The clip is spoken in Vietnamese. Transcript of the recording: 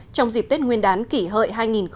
trong dịp tết nguyên đán kỷ hợi hai nghìn một mươi chín